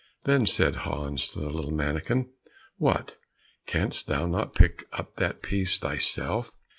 Then said Hans to the little mannikin, "What! canst thou not pick up that piece thyself?